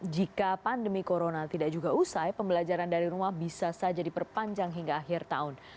jika pandemi corona tidak juga usai pembelajaran dari rumah bisa saja diperpanjang hingga akhir tahun